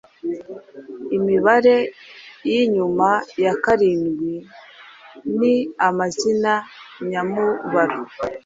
Imibare y’inyuma ya karindwi ni amazina nyamubaro.